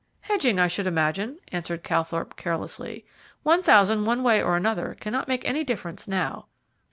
"Hedging, I should imagine," answered Calthorpe carelessly. "One thousand one way or the other cannot make any difference now."